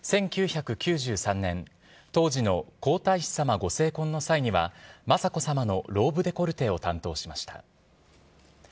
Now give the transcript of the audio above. １９９３年当時の皇太子さまご成婚の際には雅子さまのローブデコルテを担当しました。